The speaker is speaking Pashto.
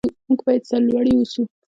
موږ باید سرلوړي اوسو.